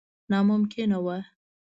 ناممکنه وه.